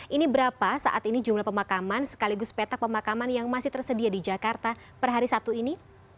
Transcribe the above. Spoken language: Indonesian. ini berapa saat ini jumlah pemakaman sekaligus petak pemakaman yang masih tersedia di jakarta per hari sabtu ini